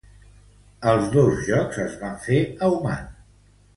Els dos jocs es van fer a Oman.